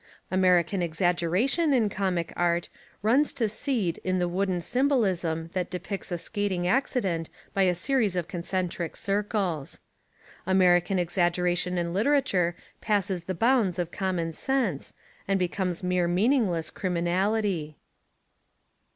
American exaggera tion in comic art runs to seed In the wooden symbolism that depicts a skating accident by a series of concentric circles. American exaggera tion in literature passes the bounds of common sense, and becomes mere meaningless criminal ity.